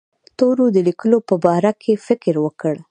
تورو د لیکلو په باره کې فکر وکړ.